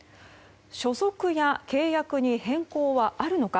所属や契約に変更はあるのか。